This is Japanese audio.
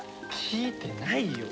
聞いてないよ！